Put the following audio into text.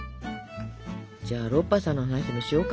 じゃあロッパさんの話でもしようか。